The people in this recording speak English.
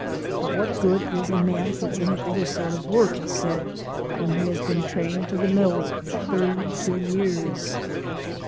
"But what good is a man for any other sort of work," he said, "when he has been trained to the mills for thirty two years!"